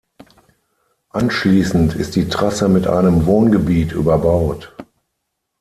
Anschließend ist die Trasse mit einem Wohngebiet überbaut.